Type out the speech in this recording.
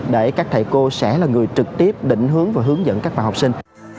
để các thầy cô sẽ là người trực tiếp định hướng và hướng dẫn các bạn học sinh